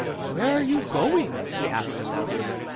"Where are you going?" he asked of them.